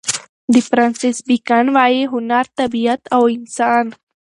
د فرانسیس بېکن وايي: هنر طبیعت او انسان.